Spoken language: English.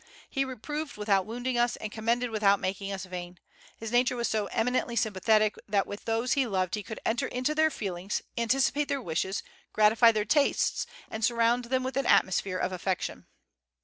He reproved without wounding us, and commended without making us vain. His nature was so eminently sympathetic that with those he loved he could enter into their feelings, anticipate their wishes, gratify their tastes, and surround them with an atmosphere of affection."